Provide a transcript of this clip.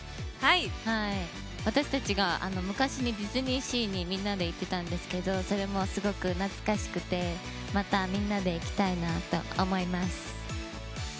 私たちが昔にディズニーシーにみんなで行ってたんですけどそれも、すごく懐かしくてまたみんなで行きたいなと思います。